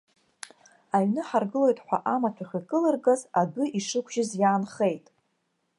Аҩны ҳаргылоит ҳәа амаҭәахә икылыргаз, адәы ишықәжьыз иаанхеит.